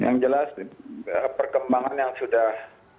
yang jelas perkembangan yang sudah